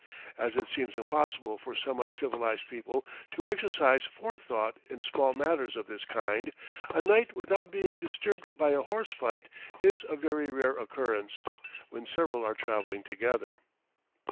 As it seems impossible for semi civilized people to exercise forethought in small matters of this kind, a night without being disturbed by a horse fight is a very rare occurrence, when several are travelling together.